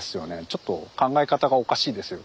「ちょっと考え方がおかしいですよ」